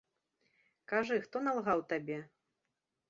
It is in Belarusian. Кажы, хто налгаў табе?